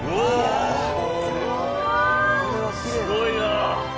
すごいな。